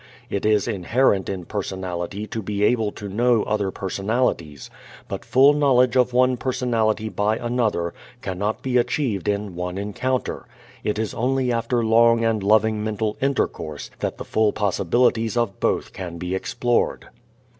It is inherent in personality to be able to know other personalities, but full knowledge of one personality by another cannot be achieved in one encounter. It is only after long and loving mental intercourse that the full possibilities of both can be explored.